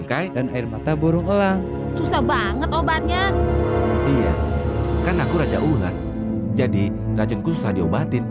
kan aku raja ular jadi racun susah diobatin